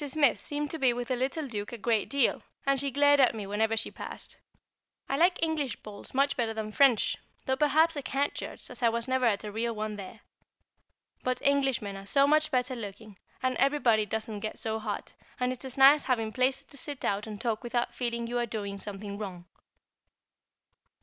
Smith seemed to be with the little Duke a great deal, and she glared at me whenever she passed. I like English balls much better than French, though, perhaps, I can't judge, as I was never at a real one there. But Englishmen are so much better looking, and everybody doesn't get so hot, and it is nice having places to sit out and talk without feeling you are doing something wrong.